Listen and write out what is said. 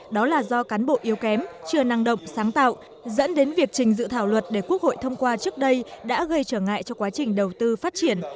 đó là do cán bộ yếu kém chưa năng động sáng tạo dẫn đến việc trình dự thảo luật để quốc hội thông qua trước đây đã gây trở ngại cho quá trình đầu tư phát triển